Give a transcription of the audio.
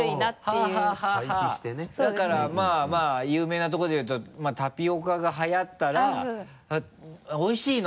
だから有名なところでいうとタピオカがはやったら「おいしいの？